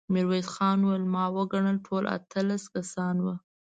ميرويس خان وويل: ما وګڼل، ټول اتلس کسان وو.